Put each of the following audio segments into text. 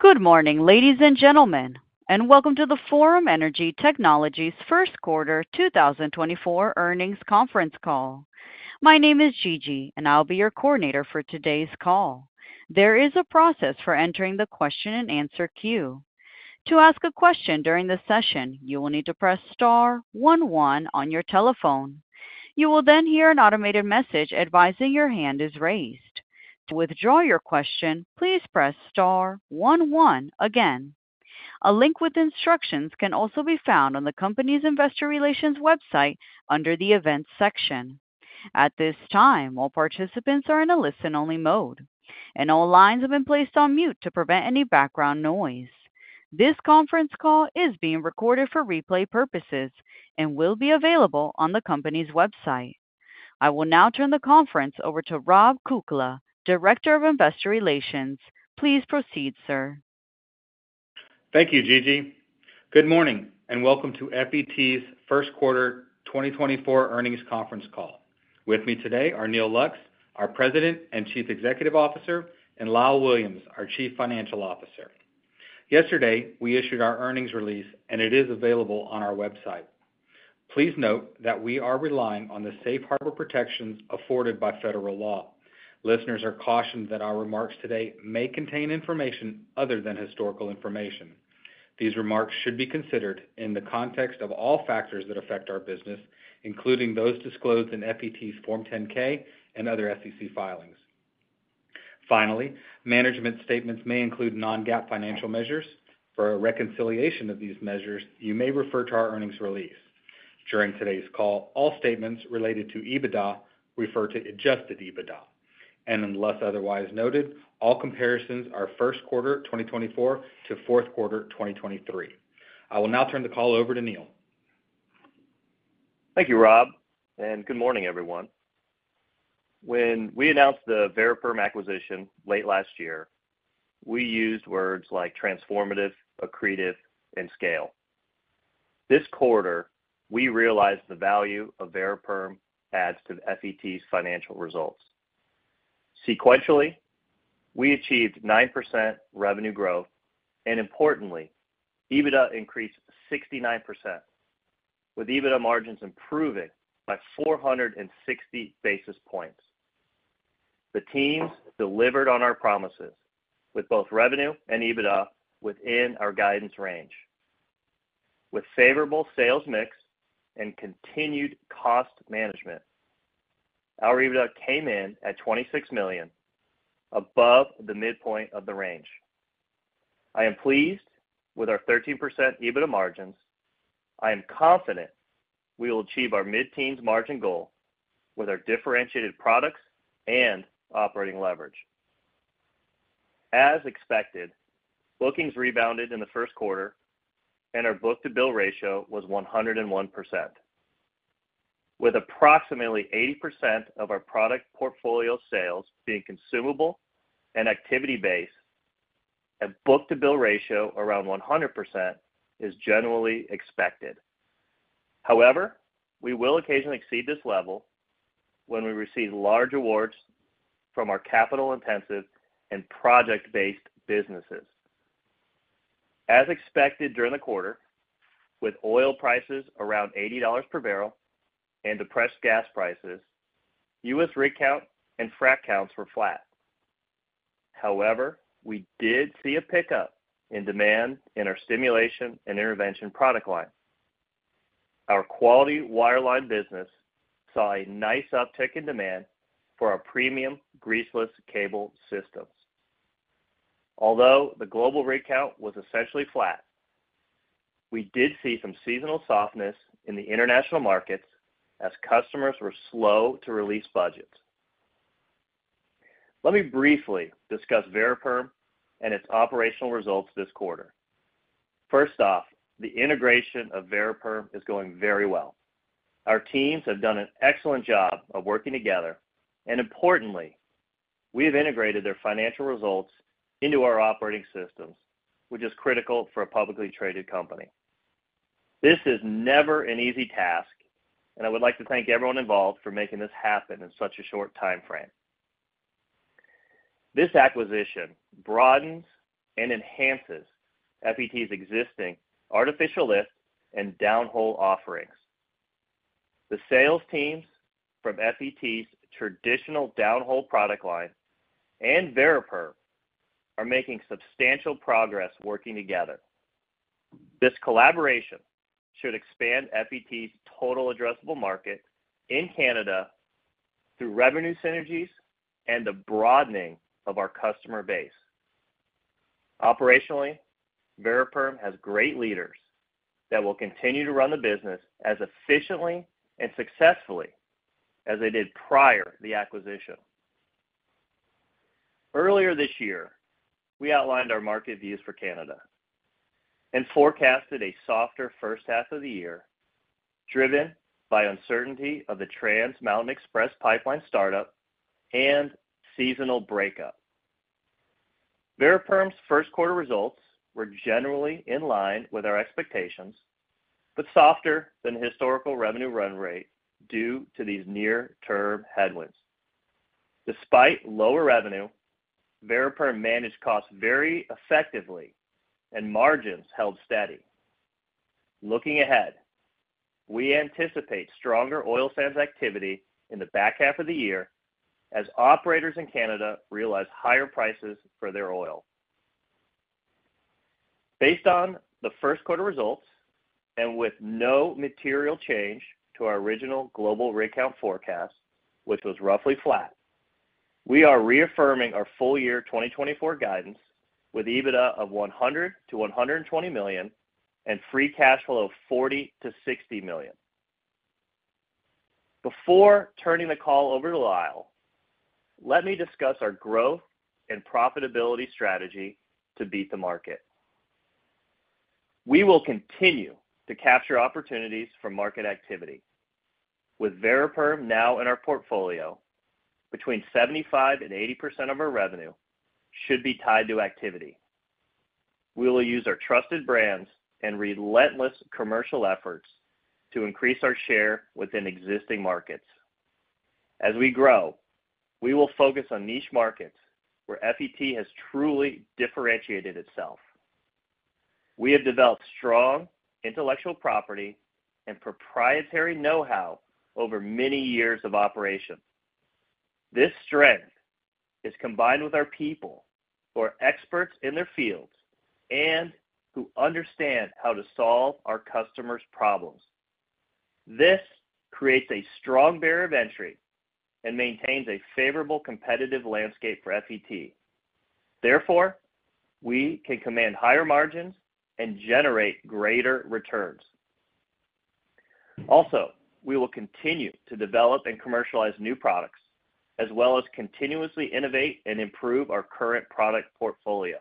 Good morning, ladies and gentlemen, and welcome to the Forum Energy Technologies first quarter 2024 earnings conference call. My name is Gigi, and I'll be your coordinator for today's call. There is a process for entering the question-and-answer queue. To ask a question during the session, you will need to press star one one on your telephone. You will then hear an automated message advising your hand is raised. To withdraw your question, please press star one one again. A link with instructions can also be found on the company's investor relations website under the Events section. At this time, all participants are in a listen-only mode, and all lines have been placed on mute to prevent any background noise. This conference call is being recorded for replay purposes and will be available on the company's website. I will now turn the conference over to Rob Kukla, Director of Investor Relations. Please proceed, sir. Thank you, Gigi. Good morning, and welcome to FET's first quarter 2024 earnings conference call. With me today are Neal Lux, our President and Chief Executive Officer, and Lyle Williams, our Chief Financial Officer. Yesterday, we issued our earnings release, and it is available on our website. Please note that we are relying on the safe harbor protections afforded by federal law. Listeners are cautioned that our remarks today may contain information other than historical information. These remarks should be considered in the context of all factors that affect our business, including those disclosed in FET's Form 10-K and other SEC filings. Finally, management statements may include non-GAAP financial measures. For a reconciliation of these measures, you may refer to our earnings release. During today's call, all statements related to EBITDA refer to adjusted EBITDA, and unless otherwise noted, all comparisons are first quarter 2024 to fourth quarter 2023. I will now turn the call over to Neal. Thank you, Rob, and good morning, everyone. When we announced the Variperm acquisition late last year, we used words like transformative, accretive, and scale. This quarter, we realized the value of Variperm adds to the FET's financial results. Sequentially, we achieved 9% revenue growth, and importantly, EBITDA increased 69%, with EBITDA margins improving by 460 basis points. The teams delivered on our promises with both revenue and EBITDA within our guidance range. With favorable sales mix and continued cost management, our EBITDA came in at $26 million, above the midpoint of the range. I am pleased with our 13% EBITDA margins. I am confident we will achieve our mid-teens margin goal with our differentiated products and operating leverage. As expected, bookings rebounded in the first quarter, and our book-to-bill ratio was 101%. With approximately 80% of our product portfolio sales being consumable and activity-based, a book-to-bill ratio around 100% is generally expected. However, we will occasionally exceed this level when we receive large awards from our capital-intensive and project-based businesses. As expected during the quarter, with oil prices around $80 per barrel and depressed gas prices, U.S. rig count and frac counts were flat. However, we did see a pickup in demand in our stimulation and intervention product line. Our quality wireline business saw a nice uptick in demand for our premium Greaseless Cable systems. Although the global rig count was essentially flat, we did see some seasonal softness in the international markets as customers were slow to release budgets. Let me briefly discuss Variperm and its operational results this quarter. First off, the integration of Variperm is going very well. Our teams have done an excellent job of working together, and importantly, we have integrated their financial results into our operating systems, which is critical for a publicly traded company. This is never an easy task, and I would like to thank everyone involved for making this happen in such a short timeframe. This acquisition broadens and enhances FET's existing artificial lift and downhole offerings. The sales teams from FET's traditional downhole product line and Variperm are making substantial progress working together. This collaboration should expand FET's total addressable market in Canada through revenue synergies and the broadening of our customer base. Operationally, Variperm has great leaders that will continue to run the business as efficiently and successfully as they did prior to the acquisition. Earlier this year, we outlined our market views for Canada and forecasted a softer first half of the year, driven by uncertainty of the Trans Mountain Expansion pipeline startup and seasonal breakup. Variperm's first quarter results were generally in line with our expectations, but softer than historical revenue run rate due to these near-term headwinds. Despite lower revenue, Variperm managed costs very effectively and margins held steady. Looking ahead, we anticipate stronger oil sands activity in the back half of the year as operators in Canada realize higher prices for their oil. Based on the first quarter results, and with no material change to our original global rig count forecast, which was roughly flat, we are reaffirming our full year 2024 guidance, with EBITDA of $100 million-$120 million, and free cash flow of $40 million-$60 million. Before turning the call over to Lyle, let me discuss our growth and profitability strategy to beat the market. We will continue to capture opportunities for market activity. With Variperm now in our portfolio, between 75% and 80% of our revenue should be tied to activity. We will use our trusted brands and relentless commercial efforts to increase our share within existing markets. As we grow, we will focus on niche markets where FET has truly differentiated itself. We have developed strong intellectual property and proprietary know-how over many years of operation. This strength is combined with our people, who are experts in their fields and who understand how to solve our customers' problems. This creates a strong barrier of entry and maintains a favorable competitive landscape for FET. Therefore, we can command higher margins and generate greater returns. Also, we will continue to develop and commercialize new products, as well as continuously innovate and improve our current product portfolio.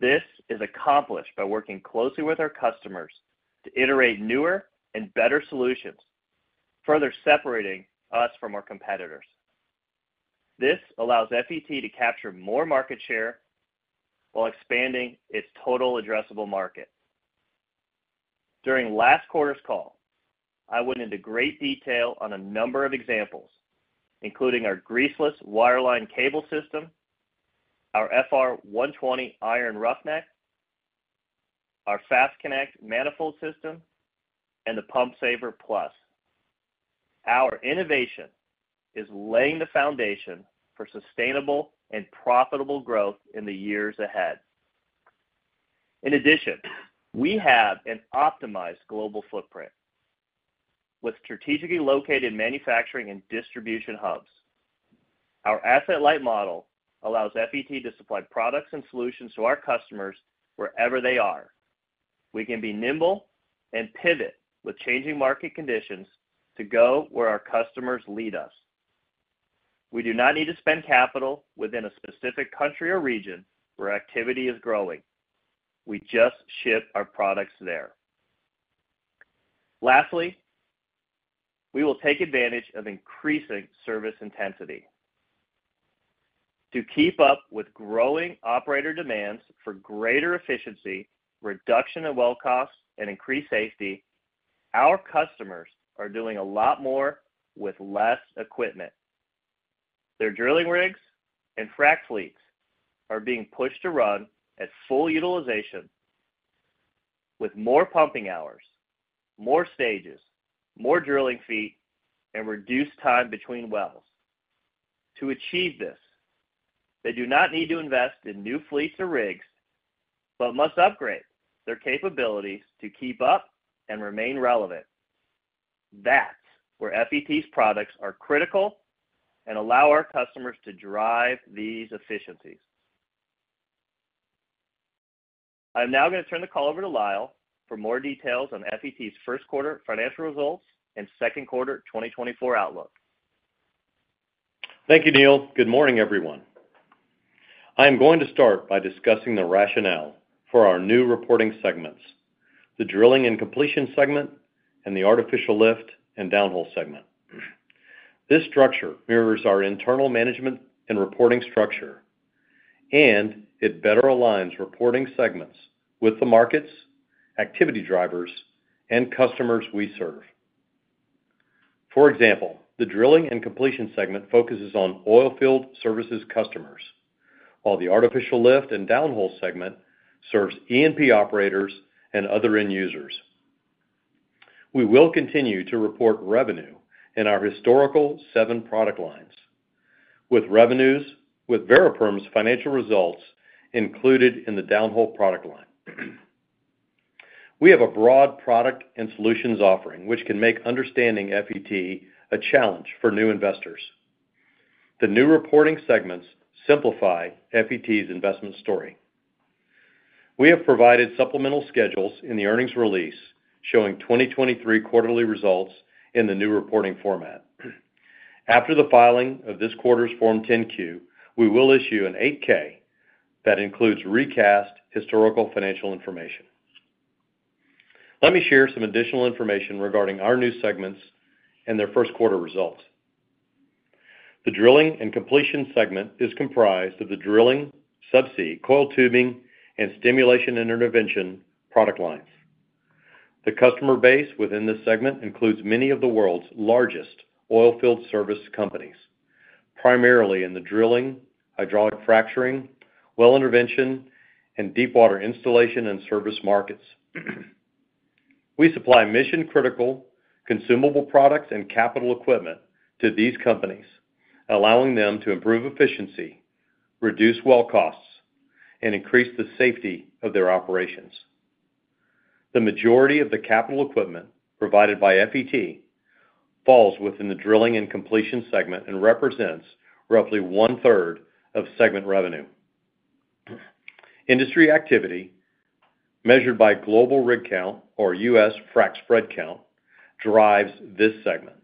This is accomplished by working closely with our customers to iterate newer and better solutions, further separating us from our competitors. This allows FET to capture more market share while expanding its total addressable market. During last quarter's call, I went into great detail on a number of examples, including our greaseless wireline cable system, our FR120 iron roughneck, our FASTConnect manifold system, and the Pump Saver Plus. Our innovation is laying the foundation for sustainable and profitable growth in the years ahead. In addition, we have an optimized global footprint, with strategically located manufacturing and distribution hubs. Our asset-light model allows FET to supply products and solutions to our customers wherever they are. We can be nimble and pivot with changing market conditions to go where our customers lead us. We do not need to spend capital within a specific country or region where activity is growing. We just ship our products there. Lastly, we will take advantage of increasing service intensity. To keep up with growing operator demands for greater efficiency, reduction in well costs, and increased safety, our customers are doing a lot more with less equipment. Their drilling rigs and frac fleets are being pushed to run at full utilization, with more pumping hours, more stages, more drilling feet, and reduced time between wells. To achieve this, they do not need to invest in new fleets or rigs, but must upgrade their capabilities to keep up and remain relevant. That's where FET's products are critical and allow our customers to drive these efficiencies. I'm now going to turn the call over to Lyle for more details on FET's first quarter financial results and second quarter 2024 outlook. Thank you, Neal. Good morning, everyone. I'm going to start by discussing the rationale for our new reporting segments, the drilling and completion segment, and the artificial lift and downhole segment. This structure mirrors our internal management and reporting structure, and it better aligns reporting segments with the markets, activity drivers, and customers we serve. For example, the drilling and completion segment focuses on oil field services customers, while the artificial lift and downhole segment serves E&P operators and other end users. We will continue to report revenue in our historical seven product lines, with Variperm's financial results included in the downhole product line. We have a broad product and solutions offering, which can make understanding FET a challenge for new investors. The new reporting segments simplify FET's investment story. We have provided supplemental schedules in the earnings release, showing 2023 quarterly results in the new reporting format. After the filing of this quarter's Form 10-Q, we will issue a Form 8-K that includes recast historical financial information. Let me share some additional information regarding our new segments and their first quarter results. The drilling and completion segment is comprised of the drilling, subsea, coiled tubing, and stimulation intervention product lines. The customer base within this segment includes many of the world's largest oil field service companies, primarily in the drilling, hydraulic fracturing, well intervention, and deepwater installation and service markets. We supply mission-critical consumable products and capital equipment to these companies, allowing them to improve efficiency, reduce well costs, and increase the safety of their operations. The majority of the capital equipment provided by FET falls within the drilling and completion segment and represents roughly 1/3 of segment revenue. Industry activity, measured by global rig count or U.S. frac spread count, drives this segment.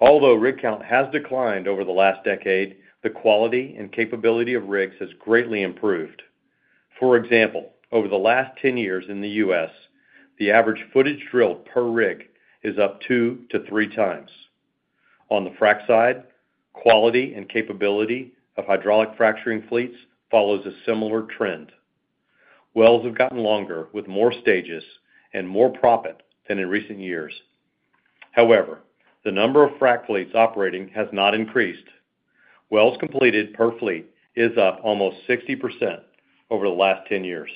Although rig count has declined over the last decade, the quality and capability of rigs has greatly improved. For example, over the last 10 years in the U.S., the average footage drilled per rig is up 2x-3x. On the frac side, quality and capability of hydraulic fracturing fleets follows a similar trend. Wells have gotten longer, with more stages and more proppant than in recent years. However, the number of frac fleets operating has not increased. Wells completed per fleet is up almost 60% over the last 10 years.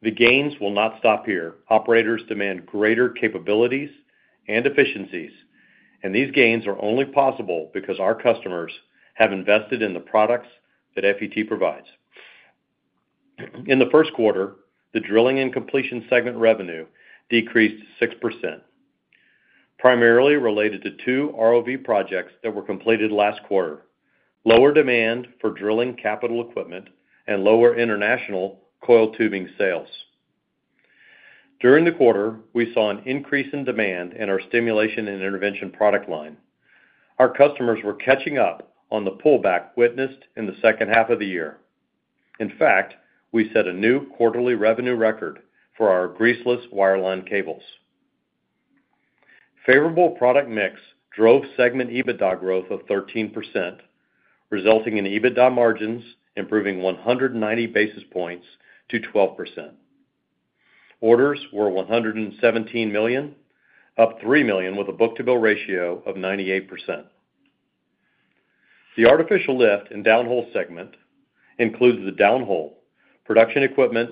The gains will not stop here. Operators demand greater capabilities and efficiencies, and these gains are only possible because our customers have invested in the products that FET provides. In the first quarter, the drilling and completion segment revenue decreased 6%, primarily related to 2 ROV projects that were completed last quarter, lower demand for drilling capital equipment, and lower international coiled tubing sales. During the quarter, we saw an increase in demand in our stimulation and intervention product line. Our customers were catching up on the pullback witnessed in the second half of the year. In fact, we set a new quarterly revenue record for our greaseless wireline cables. Favorable product mix drove segment EBITDA growth of 13%, resulting in EBITDA margins improving 190 basis points to 12%. Orders were $117 million, up $3 million, with a book-to-bill ratio of 98%. The artificial lift and downhole segment includes the downhole, production equipment,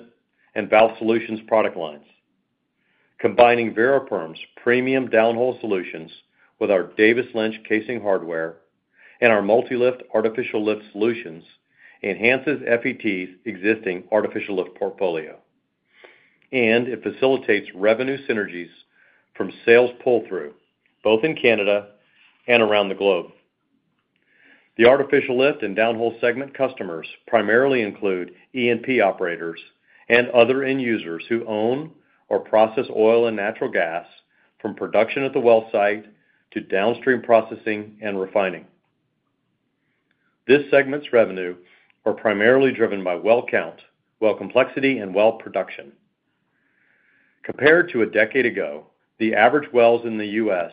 and valve solutions product lines. Combining Variperm's premium downhole solutions with our Davis-Lynch casing hardware and our MultiLift artificial lift solutions enhances FET's existing artificial lift portfolio, and it facilitates revenue synergies from sales pull-through, both in Canada and around the globe. The artificial lift and downhole segment customers primarily include E&P operators and other end users who own or process oil and natural gas from production at the well site to downstream processing and refining. This segment's revenue are primarily driven by well count, well complexity, and well production. Compared to a decade ago, the average wells in the U.S.,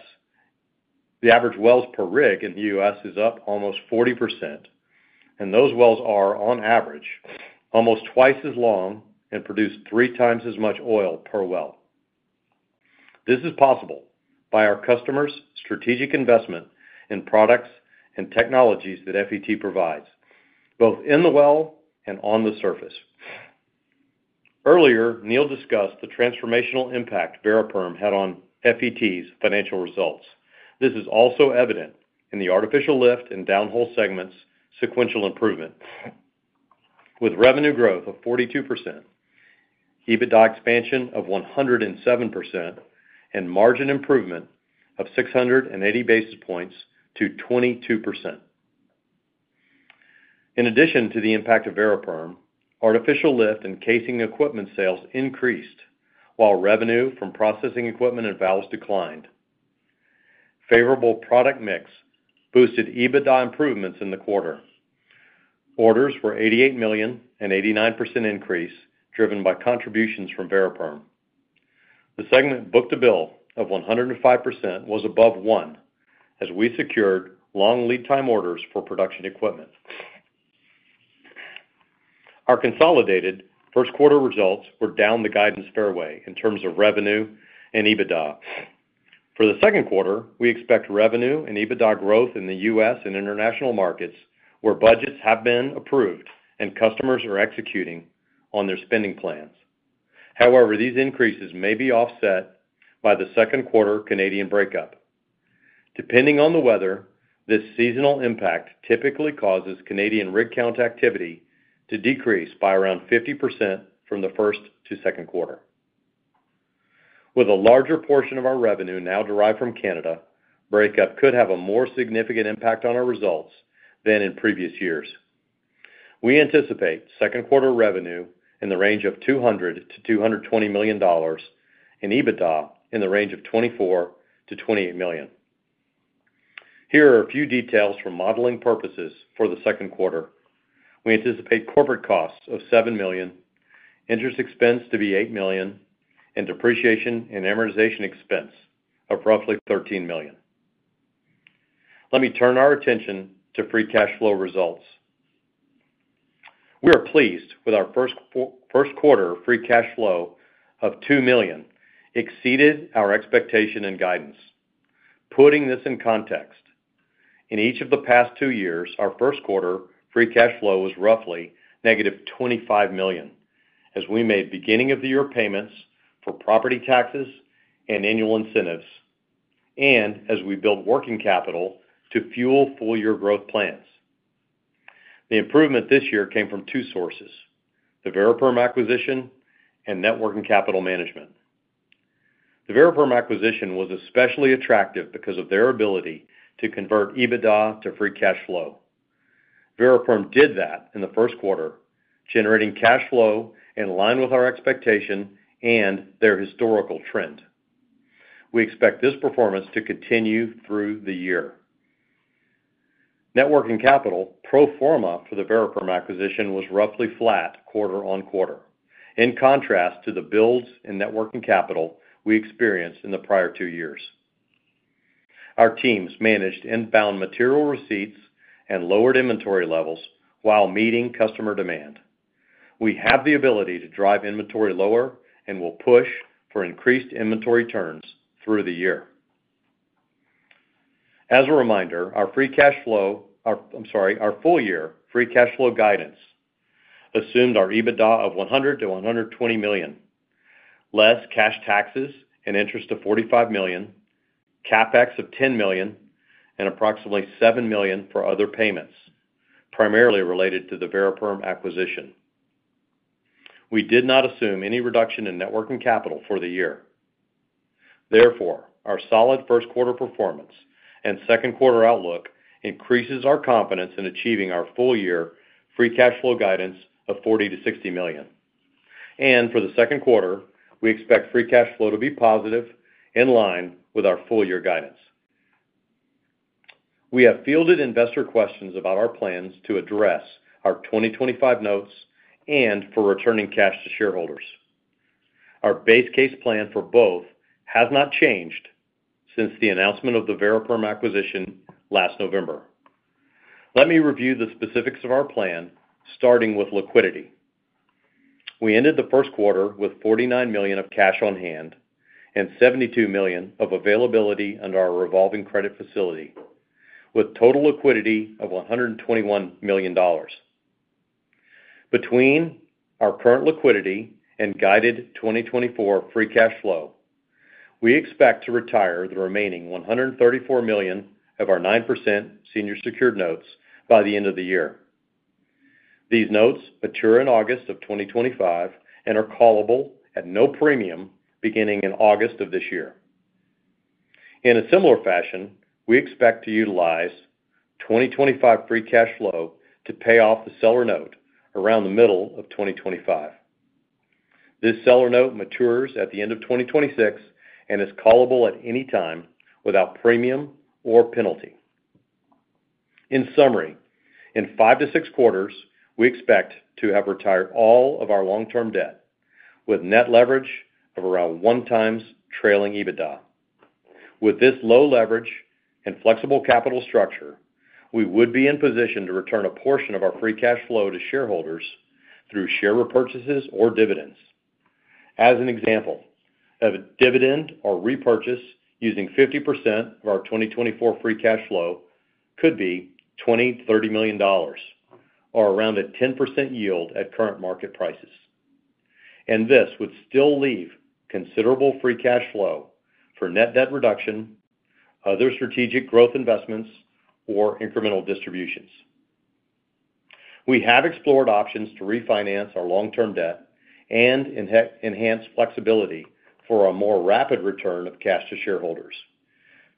the average wells per rig in the U.S. is up almost 40%, and those wells are, on average, almost twice as long and produce three times as much oil per well. This is possible by our customers' strategic investment in products and technologies that FET provides, both in the well and on the surface. Earlier, Neal discussed the transformational impact Variperm had on FET's financial results. This is also evident in the artificial lift and downhole segments' sequential improvement, with revenue growth of 42%, EBITDA expansion of 107%, and margin improvement of 680 basis points to 22%. In addition to the impact of Variperm, artificial lift and casing equipment sales increased, while revenue from processing equipment and valves declined. Favorable product mix boosted EBITDA improvements in the quarter. Orders were $88 million, an 89% increase, driven by contributions from Variperm. The segment book-to-bill of 105% was above one, as we secured long lead time orders for production equipment. Our consolidated first quarter results were down the guidance fairway in terms of revenue and EBITDA. For the second quarter, we expect revenue and EBITDA growth in the U.S. and international markets, where budgets have been approved and customers are executing on their spending plans. However, these increases may be offset by the second quarter Canadian breakup. Depending on the weather, this seasonal impact typically causes Canadian rig count activity to decrease by around 50% from the first to second quarter. With a larger portion of our revenue now derived from Canada, breakup could have a more significant impact on our results than in previous years. We anticipate second quarter revenue in the range of $200 million-$220 million and EBITDA in the range of $24 million-$28 million. Here are a few details for modeling purposes for the second quarter. We anticipate corporate costs of $7 million, interest expense to be $8 million, and depreciation and amortization expense of roughly $13 million. Let me turn our attention to free cash flow results. We are pleased with our first quarter free cash flow of $2 million, exceeded our expectation and guidance. Putting this in context, in each of the past two years, our first quarter free cash flow was roughly -$25 million, as we made beginning of the year payments for property taxes and annual incentives, and as we built working capital to fuel full-year growth plans. The improvement this year came from two sources: the Variperm acquisition and net working capital management. The Variperm acquisition was especially attractive because of their ability to convert EBITDA to free cash flow. Variperm did that in the first quarter, generating cash flow in line with our expectation and their historical trend. We expect this performance to continue through the year. Net working capital, pro forma for the Variperm acquisition, was roughly flat quarter-on-quarter, in contrast to the builds in net working capital we experienced in the prior two years. Our teams managed inbound material receipts and lowered inventory levels while meeting customer demand. We have the ability to drive inventory lower and will push for increased inventory turns through the year. As a reminder, our full-year free cash flow guidance assumed our EBITDA of $100 million-$120 million, less cash taxes and interest of $45 million, CapEx of $10 million, and approximately $7 million for other payments, primarily related to the Variperm acquisition. We did not assume any reduction in net working capital for the year. Therefore, our solid first quarter performance and second quarter outlook increases our confidence in achieving our full-year free cash flow guidance of $40 million-$60 million. For the second quarter, we expect free cash flow to be positive, in line with our full-year guidance. We have fielded investor questions about our plans to address our 2025 notes and for returning cash to shareholders. Our base case plan for both has not changed since the announcement of the Variperm acquisition last November. Let me review the specifics of our plan, starting with liquidity. We ended the first quarter with $49 million of cash on hand and $72 million of availability under our revolving credit facility, with total liquidity of $121 million. Between our current liquidity and guided 2024 free cash flow, we expect to retire the remaining $134 million of our 9% senior secured notes by the end of the year. These notes mature in August of 2025 and are callable at no premium beginning in August of this year. In a similar fashion, we expect to utilize 2025 free cash flow to pay off the seller note around the middle of 2025. This seller note matures at the end of 2026 and is callable at any time without premium or penalty. In summary, in five to six quarters, we expect to have retired all of our long-term debt with net leverage of around 1x trailing EBITDA. With this low leverage and flexible capital structure, we would be in position to return a portion of our free cash flow to shareholders through share repurchases or dividends. As an example, a dividend or repurchase using 50% of our 2024 free cash flow could be $20 million-$30 million, or around a 10% yield at current market prices. This would still leave considerable free cash flow for net debt reduction, other strategic growth investments, or incremental distributions. We have explored options to refinance our long-term debt and enhance flexibility for a more rapid return of cash to shareholders.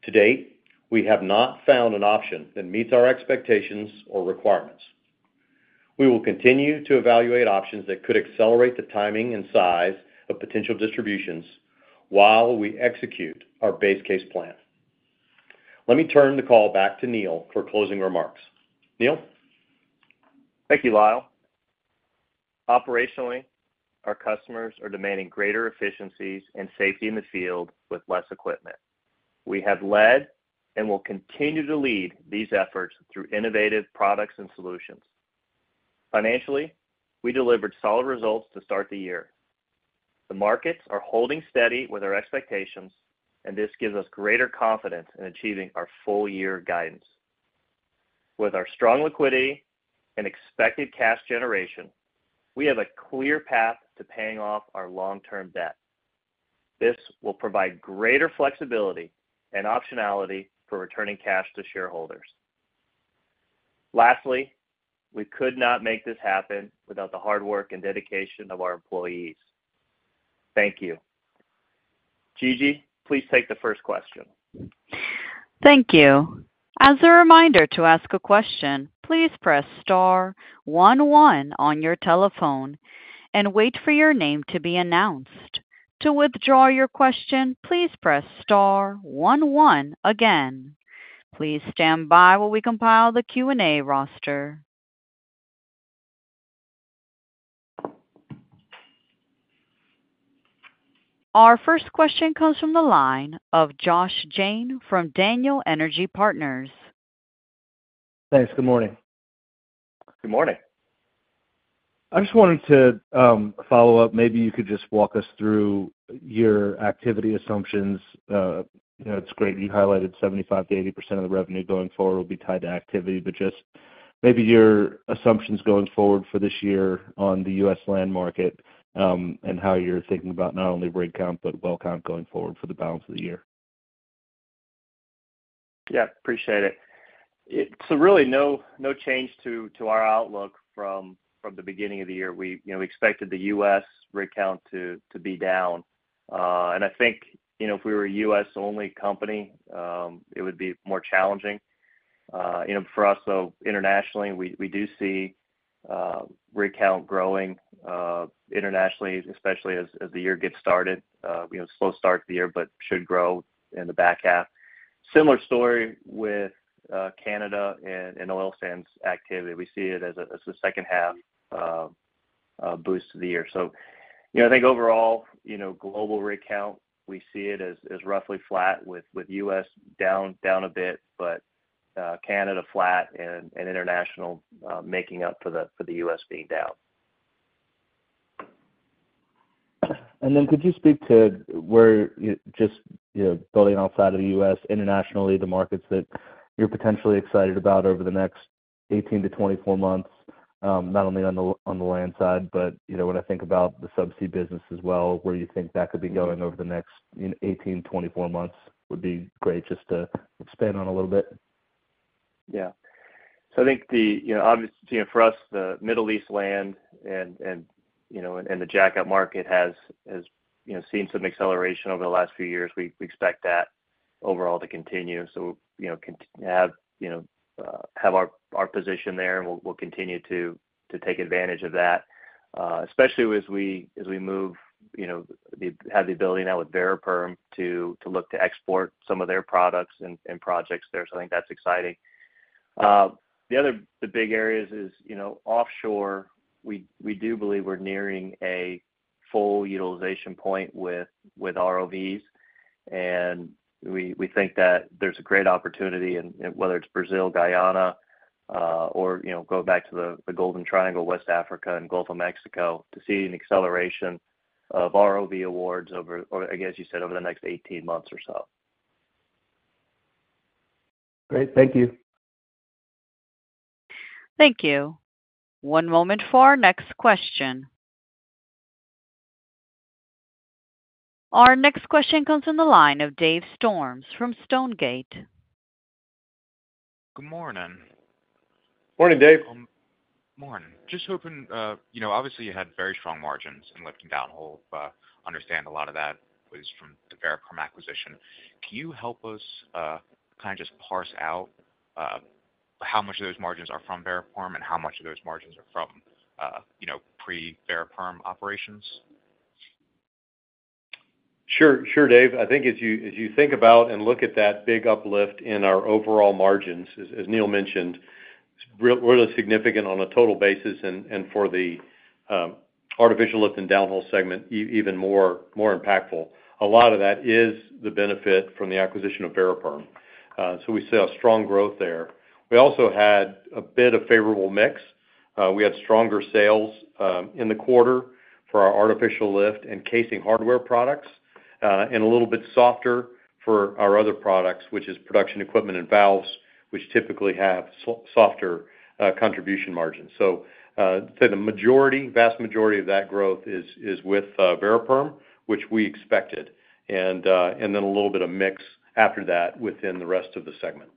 To date, we have not found an option that meets our expectations or requirements. We will continue to evaluate options that could accelerate the timing and size of potential distributions while we execute our base case plan. Let me turn the call back to Neal for closing remarks. Neal? Thank you, Lyle. Operationally, our customers are demanding greater efficiencies and safety in the field with less equipment. We have led and will continue to lead these efforts through innovative products and solutions. Financially, we delivered solid results to start the year. The markets are holding steady with our expectations, and this gives us greater confidence in achieving our full-year guidance. With our strong liquidity and expected cash generation, we have a clear path to paying off our long-term debt. This will provide greater flexibility and optionality for returning cash to shareholders. Lastly, we could not make this happen without the hard work and dedication of our employees. Thank you. Gigi, please take the first question. Thank you. As a reminder to ask a question, please press star one one on your telephone and wait for your name to be announced. To withdraw your question, please press star one one again. Please stand by while we compile the Q&A roster. Our first question comes from the line of Josh Jayne from Daniel Energy Partners. Thanks. Good morning. Good morning. I just wanted to follow up. Maybe you could just walk us through your activity assumptions. You know, it's great you highlighted 75%-80% of the revenue going forward will be tied to activity, but just maybe your assumptions going forward for this year on the U.S. land market, and how you're thinking about not only rig count, but well count going forward for the balance of the year. Yeah, appreciate it. So really, no change to our outlook from the beginning of the year. We, you know, we expected the U.S. rig count to be down. And I think, you know, if we were a U.S.-only company, it would be more challenging. You know, for us, though, internationally, we do see rig count growing internationally, especially as the year gets started. We have a slow start to the year, but should grow in the back half. Similar story with Canada and oil sands activity. We see it as a second half boost to the year. You know, I think overall, you know, global rig count, we see it as roughly flat with U.S. down a bit, but Canada flat and international making up for the U.S. being down. And then could you speak to where, just, you know, building outside of the U.S., internationally, the markets that you're potentially excited about over the next 18-24 months, not only on the, on the land side, but, you know, when I think about the subsea business as well, where you think that could be going over the next, you know, 18-24 months, would be great just to expand on a little bit? Yeah. So I think the obvious, you know, for us, the Middle East land and the jackup market has seen some acceleration over the last few years. We expect that overall to continue. So, you know, continue to have our position there, and we'll continue to take advantage of that, especially as we move, you know, have the ability now with Variperm to look to export some of their products and projects there. So I think that's exciting. The other, the big areas is, you know, offshore, we do believe we're nearing a full utilization point with ROVs, and we think that there's a great opportunity in, whether it's Brazil, Guyana, or, you know, go back to the Golden Triangle, West Africa, and Gulf of Mexico, to see an acceleration of ROV awards over, or I guess, you said, over the next 18 months or so. Great. Thank you. Thank you. One moment for our next question. Our next question comes from the line of Dave Storms from Stonegate. Good morning. Morning, Dave. Morning. Just hoping, you know, obviously, you had very strong margins in lift and downhole, understand a lot of that was from the Variperm acquisition. Can you help us, kind of just parse out, how much of those margins are from Variperm and how much of those margins are from, you know, pre-Variperm operations? Sure. Sure, Dave. I think as you, as you think about and look at that big uplift in our overall margins, as, as Neal mentioned, really significant on a total basis and, and for the artificial lift and downhole segment, even more impactful. A lot of that is the benefit from the acquisition of Variperm. So we see a strong growth there. We also had a bit of favorable mix. We had stronger sales in the quarter for our artificial lift and casing hardware products, and a little bit softer for our other products, which is production equipment and valves, which typically have softer contribution margins. So, say the majority, vast majority of that growth is with Variperm, which we expected, and then a little bit of mix after that within the rest of the segment.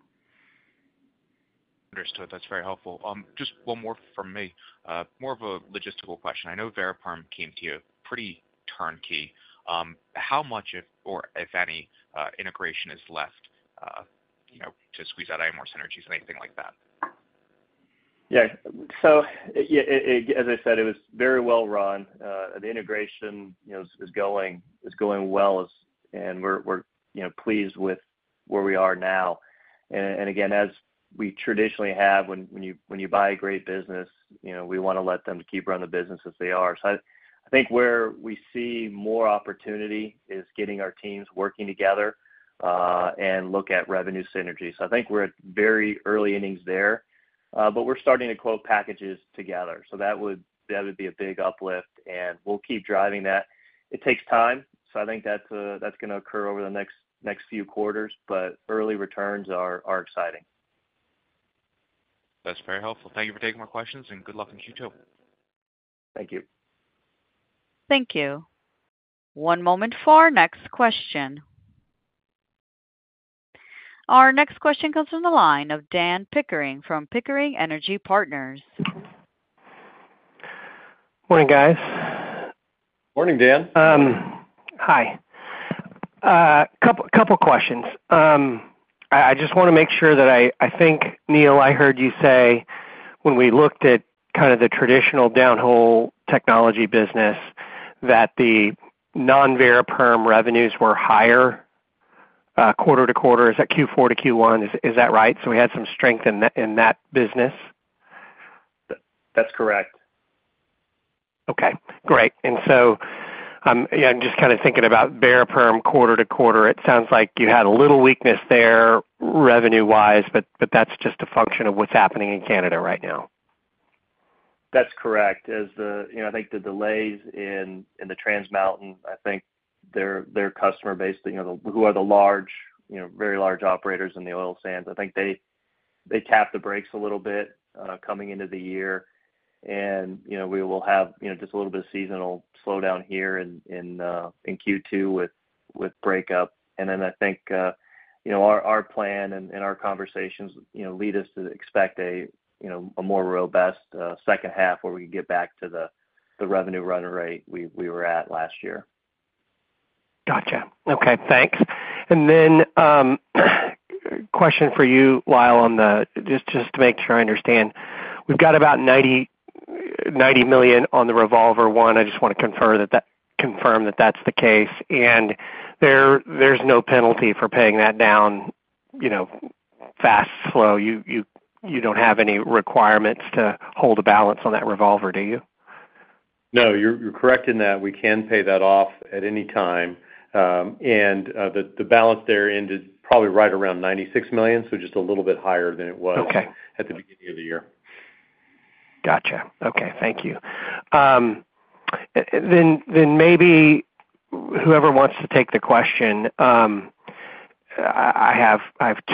Understood. That's very helpful. Just one more from me, more of a logistical question. I know Variperm came to you pretty turnkey. How much if, or if any, integration is left, you know, to squeeze out any more synergies, anything like that? Yeah. So yeah, as I said, it was very well run. The integration, you know, is going well and we're, you know, pleased with where we are now. And again, as we traditionally have, when you buy a great business, you know, we want to let them keep running the business as they are. So I think where we see more opportunity is getting our teams working together and look at revenue synergies. So I think we're at very early innings there, but we're starting to quote packages together. So that would be a big uplift, and we'll keep driving that. It takes time, so I think that's gonna occur over the next few quarters, but early returns are exciting. That's very helpful. Thank you for taking my questions, and good luck in Q2. Thank you. Thank you. One moment for our next question. Our next question comes from the line of Dan Pickering from Pickering Energy Partners. Morning, guys. Morning, Dan. Hi. Couple questions. I just wanna make sure that I think, Neal, I heard you say when we looked at kind of the traditional downhole technology business, that the non-Variperm revenues were higher, quarter-to-quarter. Is that Q4 to Q1? Is that right? So we had some strength in that, in that business? That's correct. Okay, great. And so, yeah, I'm just kinda thinking about Variperm quarter to quarter. It sounds like you had a little weakness there, revenue-wise, but, but that's just a function of what's happening in Canada right now. That's correct. As the, you know, I think the delays in, in the Trans Mountain, I think their, their customer base, you know, who are the large, you know, very large operators in the oil sands, I think they, they tapped the brakes a little bit, coming into the year. You know, we will have, you know, just a little bit of seasonal slowdown here in, in, in Q2 with, with breakup. Then I think, you know, our, our plan and, and our conversations, you know, lead us to expect a, you know, a more robust, second half, where we can get back to the, the revenue run rate we, we were at last year. Gotcha. Okay, thanks. And then, question for you, Lyle, on the—just to make sure I understand. We've got about $90 million on the revolver line. I just want to confirm that that's the case, and there's no penalty for paying that down, you know, fast, slow. You don't have any requirements to hold a balance on that revolver, do you? No, you're, you're correct in that. We can pay that off at any time. The balance there ended probably right around $96 million, so just a little bit higher than it was- Okay. at the beginning of the year. Gotcha. Okay, thank you. Then maybe whoever wants to take the question, I have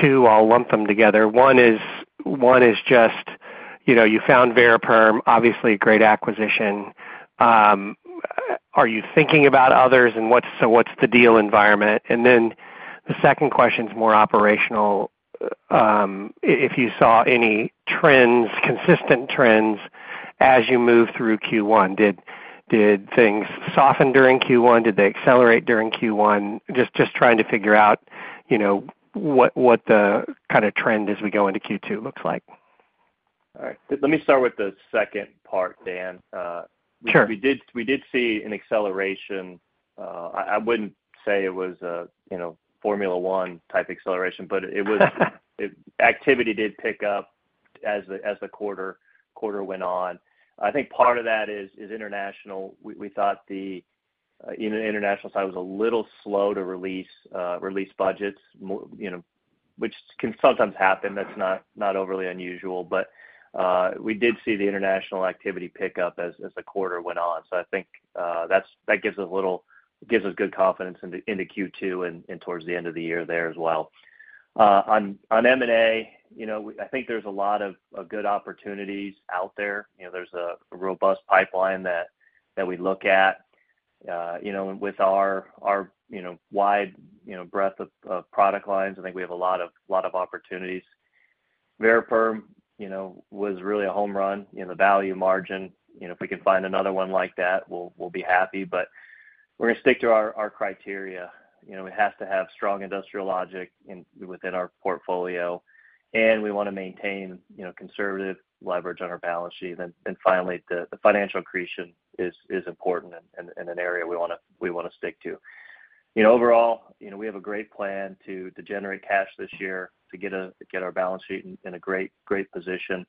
two. I'll lump them together. One is just, you know, you found Variperm, obviously, a great acquisition. Are you thinking about others, and what's—so what's the deal environment? And then the second question is more operational. If you saw any trends, consistent trends, as you moved through Q1, did things soften during Q1? Did they accelerate during Q1? Trying to figure out, you know, what the kind of trend as we go into Q2 looks like. All right. Let me start with the second part, Dan. Sure. We did, we did see an acceleration. I, I wouldn't say it was a, you know, Formula One-type acceleration, but it was activity did pick up as the, as the quarter, quarter went on. I think part of that is international. We, we thought the international side was a little slow to release budgets, you know, which can sometimes happen. That's not overly unusual, but we did see the international activity pick up as the quarter went on. So I think that's, that gives us a little, gives us good confidence into Q2 and towards the end of the year there as well. On M&A, you know, we I think there's a lot of good opportunities out there. You know, there's a robust pipeline that we look at, you know, with our wide, you know, breadth of product lines. I think we have a lot of opportunities. Variperm, you know, was really a home run in the value margin. You know, if we can find another one like that, we'll be happy. But we're gonna stick to our criteria. You know, it has to have strong industrial logic within our portfolio, and we wanna maintain, you know, conservative leverage on our balance sheet. And finally, the financial accretion is important and an area we wanna stick to. You know, overall, you know, we have a great plan to generate cash this year, to get our balance sheet in a great, great position,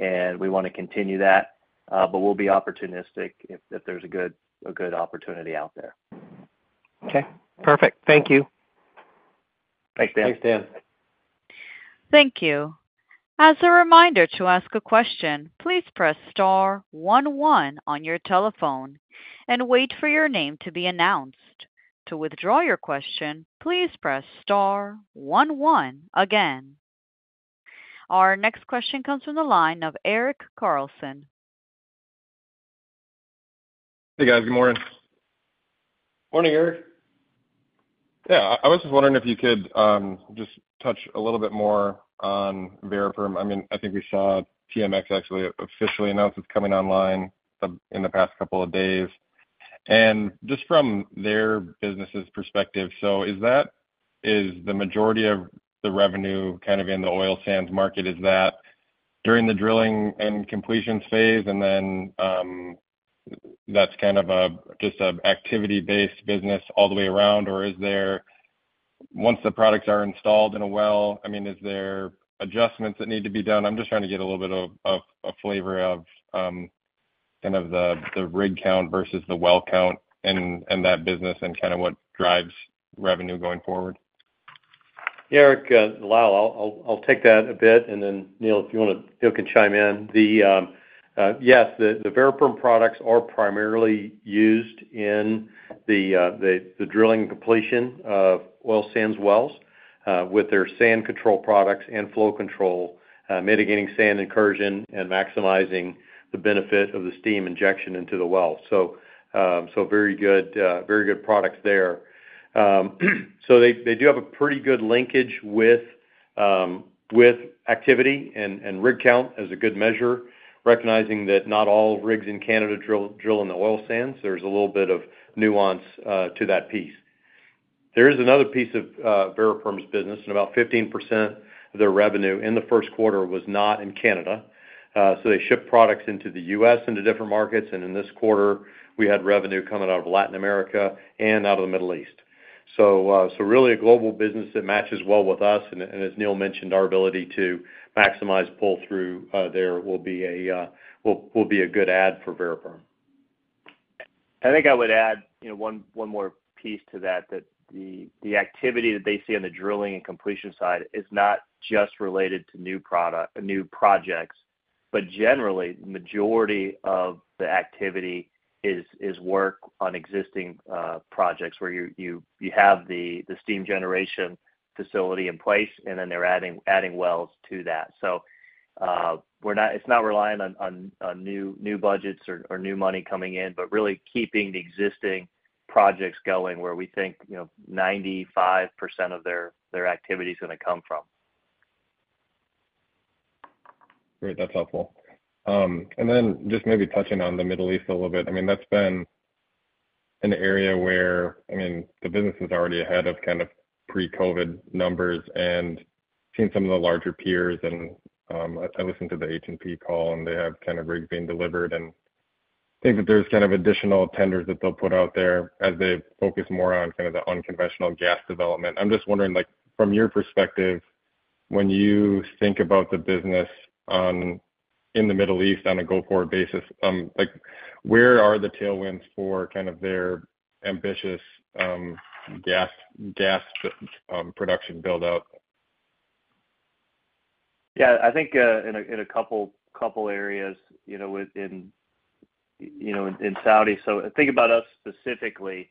and we wanna continue that, but we'll be opportunistic if there's a good opportunity out there. Okay, perfect. Thank you. Thanks, Dan. Thanks, Dan. Thank you. As a reminder, to ask a question, please press star one, one on your telephone and wait for your name to be announced. To withdraw your question, please press star one, one again. Our next question comes from the line of Eric Carlson. Hey, guys. Good morning. Morning, Eric. Yeah, I was just wondering if you could just touch a little bit more on Variperm. I mean, I think we saw TMX actually officially announce it's coming online in the past couple of days. And just from their business's perspective, so is that-- is the majority of the revenue kind of in the oil sands market, is that during the drilling and completion phase, and then that's kind of a just a activity-based business all the way around? Or is there, once the products are installed in a well, I mean, is there adjustments that need to be done? I'm just trying to get a little bit of flavor of kind of the the rig count versus the well count in that business and kind of what drives revenue going forward. Yeah, Eric, it's Lyle, I'll take that a bit, and then Neal, if you wanna, Neal can chime in. Yes, the Variperm products are primarily used in the drilling and completion of oil sands wells with their sand control products and flow control mitigating sand incursion and maximizing the benefit of the steam injection into the well. So, very good products there. So they do have a pretty good linkage with activity, and rig count is a good measure, recognizing that not all rigs in Canada drill in the oil sands. There's a little bit of nuance to that piece. There is another piece of Variperm's business, and about 15% of their revenue in the first quarter was not in Canada. So they ship products into the U.S., into different markets, and in this quarter, we had revenue coming out of Latin America and out of the Middle East. So really a global business that matches well with us, and as Neal mentioned, our ability to maximize pull-through there will be a good add for Variperm. I think I would add, you know, one more piece to that, that the activity that they see on the drilling and completion side is not just related to new product-- new projects, but generally, majority of the activity is work on existing projects where you have the steam generation facility in place, and then they're adding wells to that. So, we're not-- It's not relying on new budgets or new money coming in, but really keeping the existing projects going, where we think, you know, 95% of their activity is gonna come from. Great, that's helpful. And then just maybe touching on the Middle East a little bit. I mean, that's been an area where, I mean, the business is already ahead of kind of pre-COVID numbers and seen some of the larger peers. And I listened to the H&P call, and they have kind of rigs being delivered, and I think that there's kind of additional tenders that they'll put out there as they focus more on kind of the unconventional gas development. I'm just wondering, like, from your perspective, when you think about the business on-- in the Middle East on a go-forward basis, like, where are the tailwinds for kind of their ambitious, gas production build out? Yeah, I think, in a couple areas, you know, in Saudi. So think about us specifically,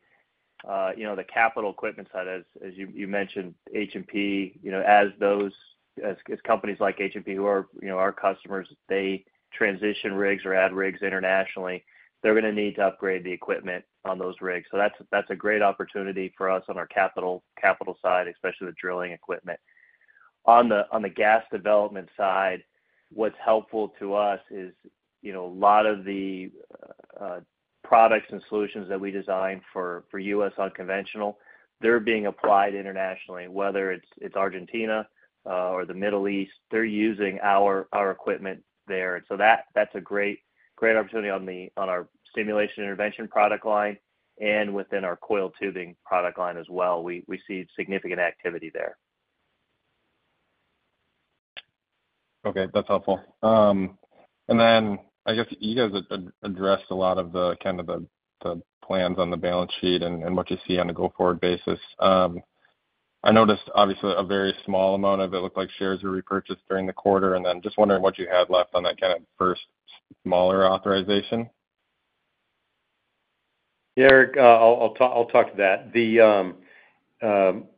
you know, the capital equipment side, as you mentioned, H&P, you know, as those companies like H&P who are, you know, our customers, they transition rigs or add rigs internationally, they're gonna need to upgrade the equipment on those rigs. So that's a great opportunity for us on our capital side, especially the drilling equipment. On the gas development side, what's helpful to us is, you know, a lot of the products and solutions that we design for U.S. unconventional, they're being applied internationally, whether it's Argentina or the Middle East, they're using our equipment there. That's a great, great opportunity on our stimulation intervention product line and within our coiled tubing product line as well. We see significant activity there. Okay, that's helpful. And then I guess you guys addressed a lot of the, kind of the, the plans on the balance sheet and, and what you see on a go-forward basis. I noticed, obviously, a very small amount of, it looked like shares were repurchased during the quarter. And then just wondering what you had left on that kind of first smaller authorization? Yeah, Eric, I'll talk to that.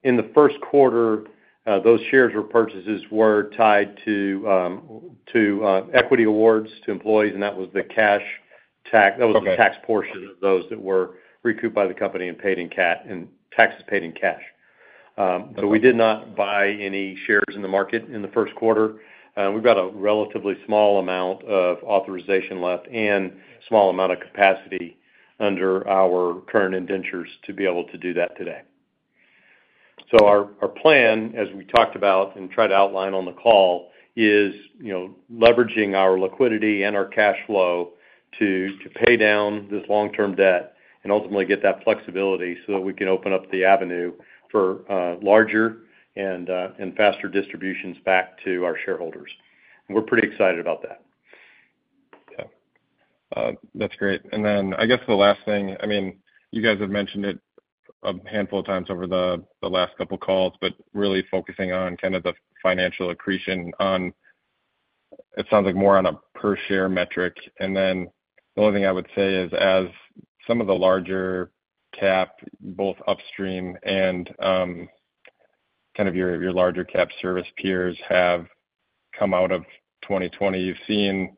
In the first quarter, those shares repurchases were tied to equity awards to employees, and that was the cash tax- Okay. That was the tax portion of those that were recouped by the company and paid in cash and taxes paid in cash. But we did not buy any shares in the market in the first quarter. We've got a relatively small amount of authorization left and small amount of capacity under our current indentures to be able to do that today. So our plan, as we talked about and tried to outline on the call, is, you know, leveraging our liquidity and our cash flow to pay down this long-term debt and ultimately get that flexibility so that we can open up the avenue for larger and faster distributions back to our shareholders. And we're pretty excited about that. Yeah. That's great. And then I guess the last thing, I mean, you guys have mentioned it a handful of times over the last couple calls, but really focusing on kind of the financial accretion on. It sounds like more on a per share metric. And then the only thing I would say is, as some of the larger cap, both upstream and kind of your larger cap service peers, have come out of 2020, you've seen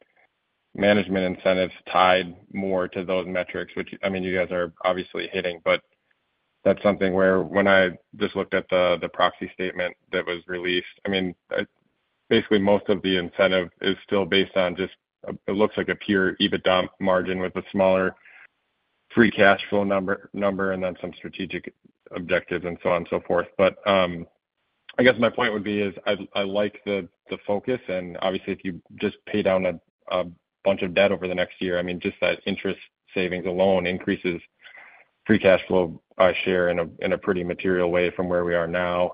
management incentives tied more to those metrics, which, I mean, you guys are obviously hitting. But that's something where when I just looked at the, the proxy statement that was released, I mean, basically, most of the incentive is still based on just, it looks like a pure EBITDA margin with a smaller free cash flow number, number, and then some strategic objectives and so on and so forth. But, I guess my point would be is I like the, the focus, and obviously, if you just pay down a, a bunch of debt over the next year, I mean, just that interest savings alone increases free cash flow by share in a, in a pretty material way from where we are now.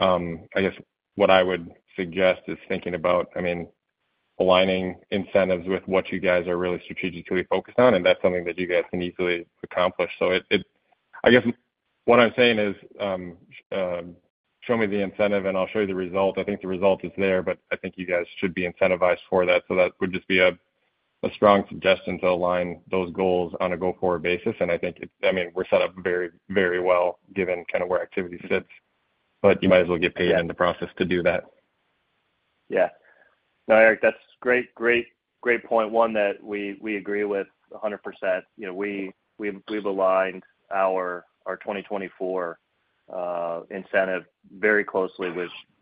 I guess what I would suggest is thinking about, I mean, aligning incentives with what you guys are really strategically focused on, and that's something that you guys can easily accomplish. So, I guess what I'm saying is, show me the incentive, and I'll show you the result. I think the result is there, but I think you guys should be incentivized for that. So that would just be a strong suggestion to align those goals on a go-forward basis. And I think it's, I mean, we're set up very, very well, given kind of where activity sits, but you might as well get paid in the process to do that. Yeah. No, Eric, that's great, great, great point, one that we agree with 100%. You know, we've aligned our 2024 incentive very closely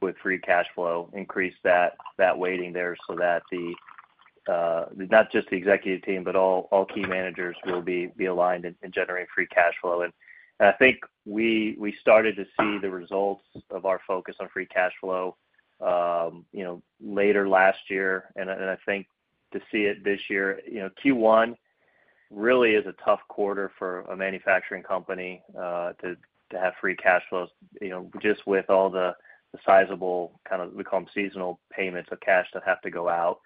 with free cash flow, increased that weighting there so that not just the executive team, but all key managers will be aligned in generating free cash flow. And I think we started to see the results of our focus on free cash flow, you know, later last year. And I think to see it this year, you know, Q1 really is a tough quarter for a manufacturing company to have free cash flows, you know, just with all the sizable kind of, we call them seasonal payments of cash that have to go out.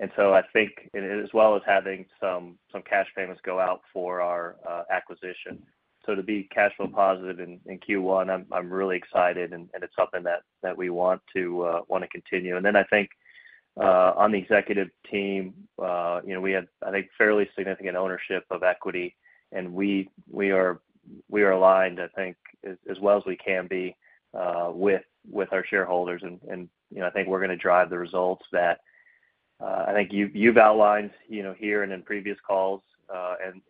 And so I think and as well as having some cash payments go out for our acquisition. So to be cash flow positive in Q1, I'm really excited, and it's something that we want to wanna continue. And then I think on the executive team, you know, we had, I think, fairly significant ownership of equity, and we are aligned, I think, as well as we can be with our shareholders. And, you know, I think we're gonna drive the results that I think you've outlined, you know, here and in previous calls.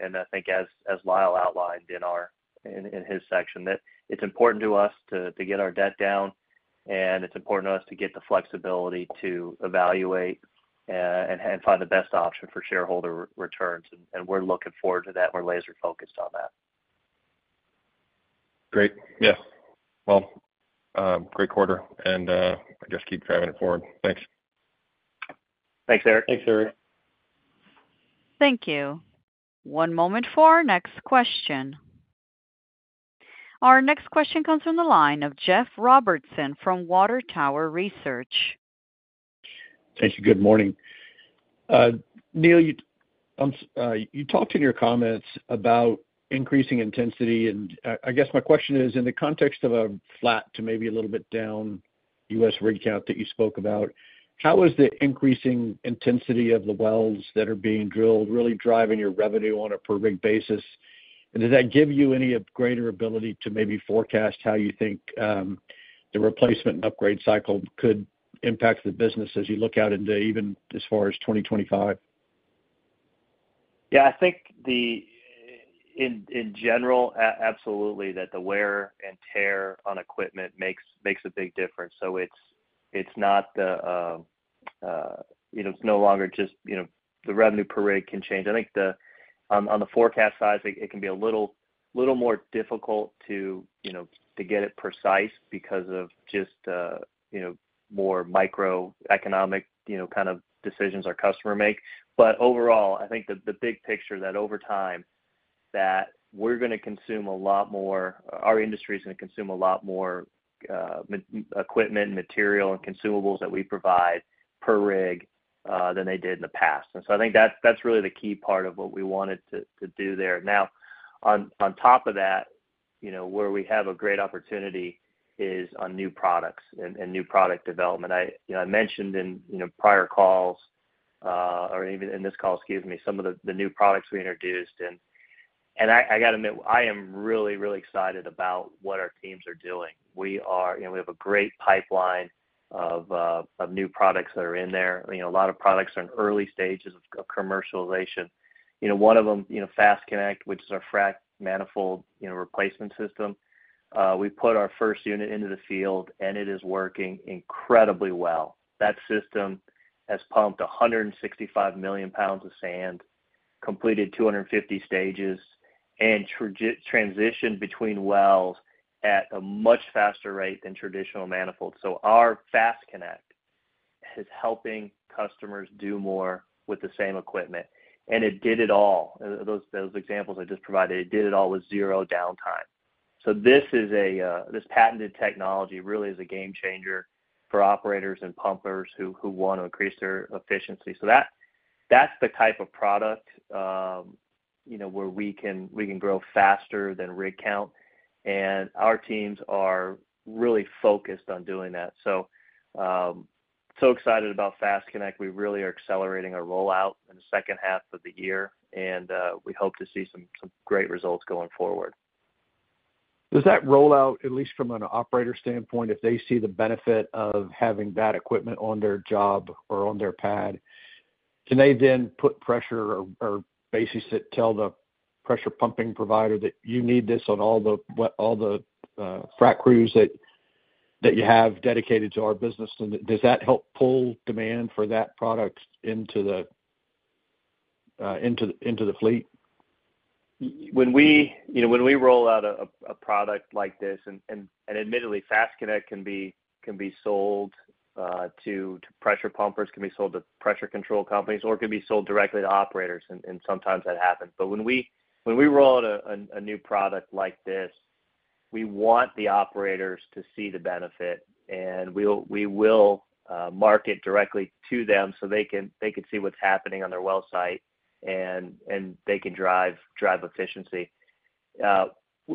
And I think as Lyle outlined in his section, that it's important to us to get our debt down, and it's important to us to get the flexibility to evaluate and find the best option for shareholder returns. And we're looking forward to that. We're laser focused on that. Great. Yeah. Well, great quarter, and I guess keep driving it forward. Thanks. Thanks, Eric. Thanks, Eric. Thank you. One moment for our next question. Our next question comes from the line of Jeff Robertson from Water Tower Research. Thank you. Good morning. Neal, you talked in your comments about increasing intensity, and, I guess my question is, in the context of a flat to maybe a little bit down U.S. rig count that you spoke about, how is the increasing intensity of the wells that are being drilled really driving your revenue on a per rig basis? And does that give you any greater ability to maybe forecast how you think, the replacement and upgrade cycle could impact the business as you look out into even as far as 2025? Yeah, I think in general, absolutely, that the wear and tear on equipment makes a big difference. So it's not the, you know, it's no longer just, you know, the revenue per rig can change. I think on the forecast side, it can be a little more difficult to, you know, to get it precise because of just, you know, more microeconomic, you know, kind of decisions our customer make. But overall, I think the big picture that over time, that we're gonna consume a lot more, our industry is gonna consume a lot more equipment, material, and consumables that we provide per rig than they did in the past. And so I think that's really the key part of what we wanted to do there. Now, on top of that, you know, where we have a great opportunity is on new products and new product development. You know, I mentioned in prior calls or even in this call, excuse me, some of the new products we introduced. I gotta admit, I am really, really excited about what our teams are doing. You know, we have a great pipeline of new products that are in there. You know, a lot of products are in early stages of commercialization. You know, one of them, you know, FASTConnect, which is our frac manifold, you know, replacement system, we put our first unit into the field, and it is working incredibly well. That system has pumped 165 million lbs of sand, completed 250 stages, and transitioned between wells at a much faster rate than traditional manifolds. So our FASTConnect is helping customers do more with the same equipment, and it did it all. Those examples I just provided, it did it all with zero downtime. So this is a, this patented technology really is a game changer for operators and pumpers who wanna increase their efficiency. So that's the type of product, you know, where we can grow faster than rig count, and our teams are really focused on doing that. So, so excited about FASTConnect. We really are accelerating our rollout in the second half of the year, and we hope to see some great results going forward. Does that roll out, at least from an operator standpoint, if they see the benefit of having that equipment on their job or on their pad, can they then put pressure or basically tell the pressure pumping provider that you need this on all the frac crews that you have dedicated to our business? And does that help pull demand for that product into the fleet? When we, you know, when we roll out a product like this, and admittedly, FASTConnect can be sold to pressure pumpers, can be sold to pressure control companies, or it can be sold directly to operators, and sometimes that happens. But when we roll out a new product like this, we want the operators to see the benefit, and we'll market directly to them so they can see what's happening on their well site, and they can drive efficiency.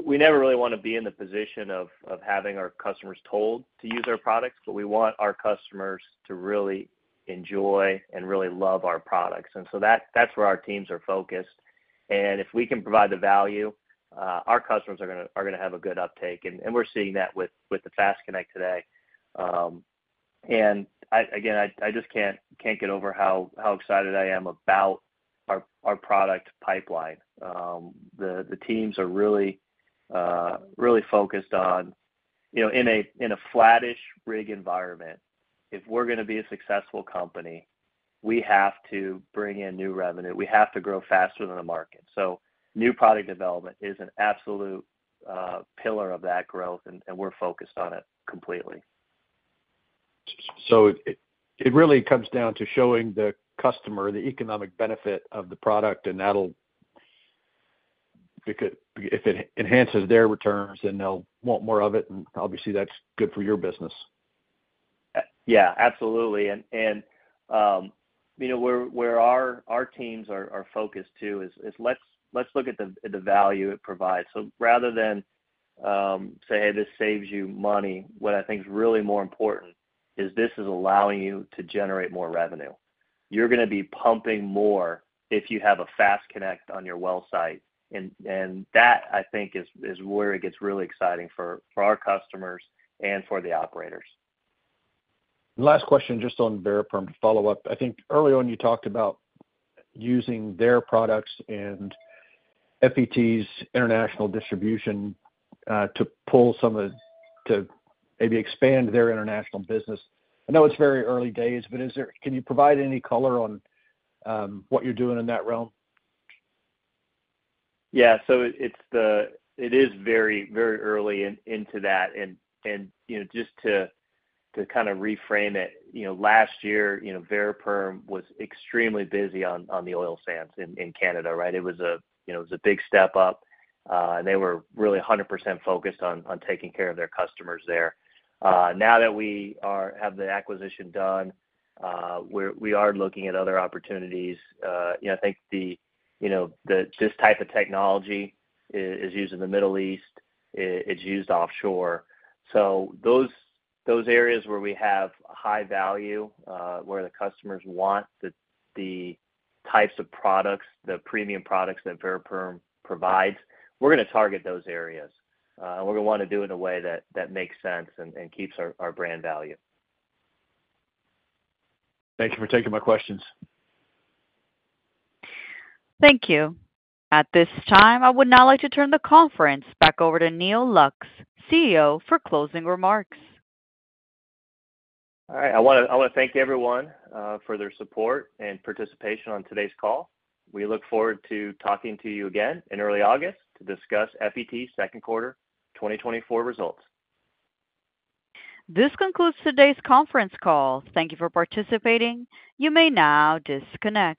We never really wanna be in the position of having our customers told to use our products, but we want our customers to really enjoy and really love our products, and so that's where our teams are focused. And if we can provide the value, our customers are gonna have a good uptake, and we're seeing that with the FASTConnect today. And I, again, just can't get over how excited I am about our product pipeline. The teams are really focused on. You know, in a flattish rig environment, if we're gonna be a successful company, we have to bring in new revenue. We have to grow faster than the market. So new product development is an absolute pillar of that growth, and we're focused on it completely. So it really comes down to showing the customer the economic benefit of the product, and that'll, because if it enhances their returns, then they'll want more of it, and obviously that's good for your business. Yeah, absolutely. And, you know, where our teams are focused, too, is let's look at the value it provides. So rather than say, "Hey, this saves you money," what I think is really more important is this is allowing you to generate more revenue. You're gonna be pumping more if you have a FASTConnect on your well site, and that, I think, is where it gets really exciting for our customers and for the operators. Last question, just on Variperm to follow up. I think early on, you talked about using their products and FET's international distribution to pull some of the to maybe expand their international business. I know it's very early days, but is there, can you provide any color on what you're doing in that realm? Yeah. So it's very early into that. And you know, just to kind of reframe it, you know, last year, you know, Variperm was extremely busy on the oil sands in Canada, right? It was a big step up, and they were really 100% focused on taking care of their customers there. Now that we have the acquisition done, we're looking at other opportunities. You know, I think this type of technology is used in the Middle East. It's used offshore. So those areas where we have high value, where the customers want the types of products, the premium products that Variperm provides, we're gonna target those areas. And we're gonna wanna do it in a way that makes sense and keeps our brand value. Thank you for taking my questions. Thank you. At this time, I would now like to turn the conference back over to Neal Lux, CEO, for closing remarks. All right. I wanna, I wanna thank everyone for their support and participation on today's call. We look forward to talking to you again in early August to discuss FET's second quarter 2024 results. This concludes today's conference call. Thank you for participating. You may now disconnect.